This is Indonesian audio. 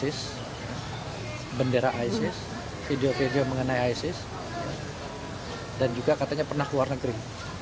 isis bendera isis video video mengenai isis dan juga katanya pernah ke luar negeri